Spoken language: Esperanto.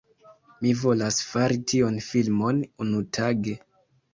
Mi volas fari tiun filmon, unutage